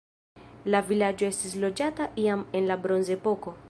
La vilaĝo estis loĝata jam en la bronzepoko.